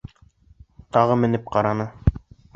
Тағы менеп ҡараны.